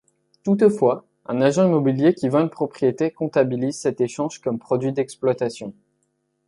Toutefois, un agent immobilier qui vend une propriété comptabilise cet échange comme produit d’exploitation.